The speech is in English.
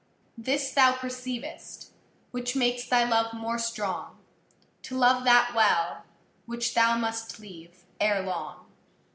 This thou perceivâst, which makes thy love more strong, To love that well, which thou must leave ere long.